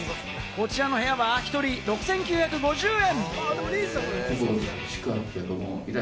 こちらの部屋は１人６９５０円。